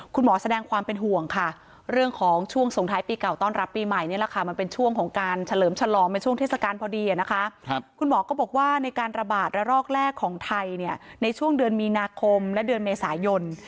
คุณหมอก็บอกว่าในการระบาดระรอกแรกของไทยในช่วงเดือนมีนาคมและเดือนเมษายน